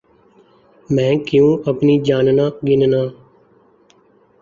مَیں کیوں اپنی جاننا گننا